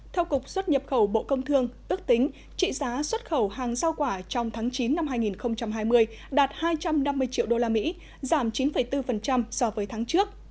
theo cục xuất nhập khẩu bộ công thương ước tính trị giá xuất khẩu hàng giao quả trong tháng chín năm hai nghìn hai mươi đạt hai trăm năm mươi triệu usd giảm chín bốn so với tháng trước